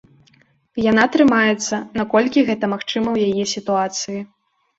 Яна трымаецца, наколькі гэта магчыма ў яе сітуацыі.